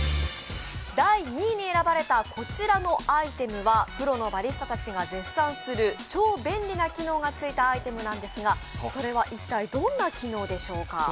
第２位に選ばれたこちらのアイテムはプロのバリスタたちが絶賛する超便利な機能がついたアイテムですがそれは一体どんな機能でしょうか？